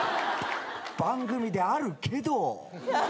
番組であるけど！